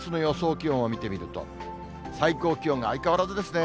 気温を見てみると、最高気温が相変わらずですね。